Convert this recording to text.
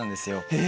へえ！